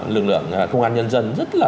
lực lượng công an nhân dân rất là